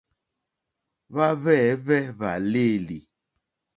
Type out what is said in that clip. Hwáhwɛ̂hwɛ́ hwàlêlì.